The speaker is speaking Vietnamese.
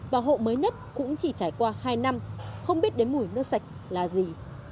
và hộ mới nhất cũng chỉ trải qua hai năm không biết đến mùi nước sạch là gì